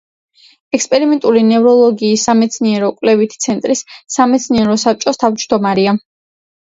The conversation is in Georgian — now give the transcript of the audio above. ექსპერიმენტული ნევროლოგიის სამეცნიერო–კვლევითი ცენტრის სამეცნიერო საბჭოს თავმჯდომარეა.